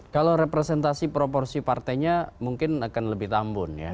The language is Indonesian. kalau representasi proporsi partainya mungkin akan lebih tambun ya